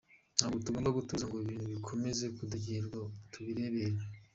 Ntabwo tugomba gutuza ngo ibintu bikomeze kudogera tubirebera.